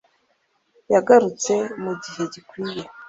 yagarutse mu gihe gikwiye